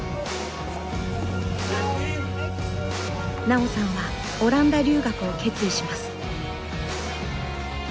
奈緒さんはオランダ留学を決意します。